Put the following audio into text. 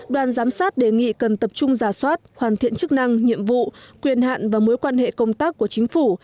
đoàn giám sát đề nghị cần tập trung giả soát hoàn thiện chức năng nhiệm vụ quyền hạn và mối quan hệ công tác của chính phủ